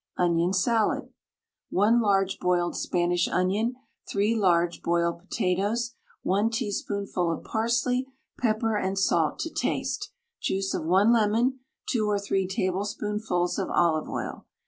ONION SALAD. 1 large boiled Spanish onion, 3 large boiled potatoes, 1 teaspoonful of parsley, pepper and salt to taste, juice of 1 lemon, 2 or 3 tablespoonfuls of olive oil.